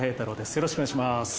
よろしくお願いします。